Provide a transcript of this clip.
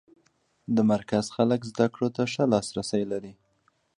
د مرکز خلک زده کړو ته ښه لاس رسی لري.